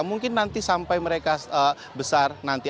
mungkin nanti sampai mereka besar nanti